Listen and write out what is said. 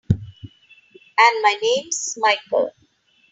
And my name's Michael.